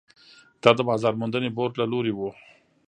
دا د بازار موندنې بورډ له لوري وو.